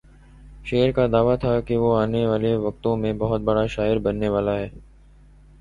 شعر کا دعویٰ تھا وہ آنے والے وقتوں میں بہت بڑا شاعر بننے والا ہے۔